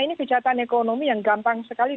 ini kejahatan ekonomi yang gampang sekali